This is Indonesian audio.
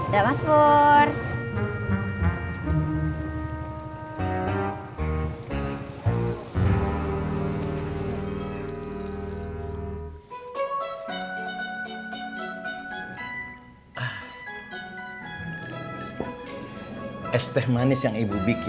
da mas pur